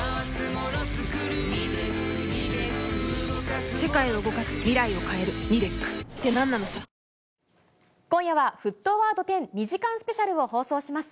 わかるぞ今夜は沸騰ワード１０、２時間スペシャルを放送します。